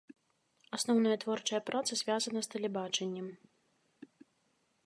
Асноўная творчая праца звязана з тэлебачаннем.